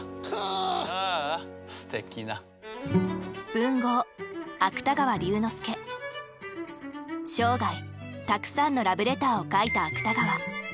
文豪生涯たくさんのラブレターを書いた芥川。